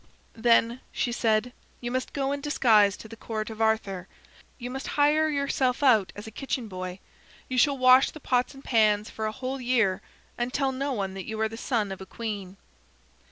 "Then," she said, "you must go in disguise to the court of Arthur. You must hire yourself out as a kitchen boy. You shall wash the pots and pans for a whole year and tell no one that you are the son of a queen."